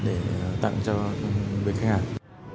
để tặng cho các khách hàng